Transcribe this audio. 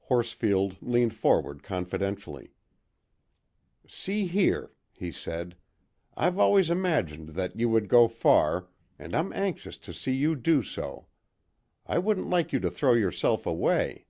Horsfield leaned forward confidentially. "See here," he said, "I've always imagined that you would go far, and I'm anxious to see you do so. I wouldn't like you to throw yourself away."